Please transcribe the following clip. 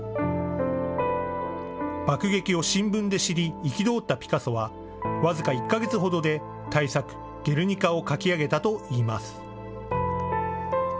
爆撃を新聞で知り憤ったピカソは僅か１か月ほどで大作、ゲルニカを描き上げたといいます。